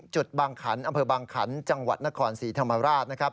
บางขันอำเภอบางขันจังหวัดนครศรีธรรมราชนะครับ